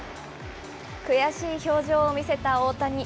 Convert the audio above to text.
悔しい表情を見せた大谷。